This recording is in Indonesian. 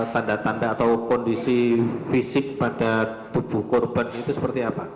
tanda tanda atau kondisi fisik pada tubuh korban itu seperti apa